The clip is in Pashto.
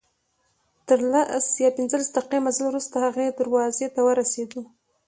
تر لس یا پنځلس دقیقې مزل وروسته هغې دروازې ته ورسېدو.